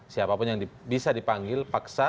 siapapun yang bisa dipanggil paksa